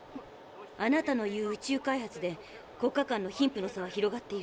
あなたの言う宇宙開発で国家間の貧富の差は広がっている。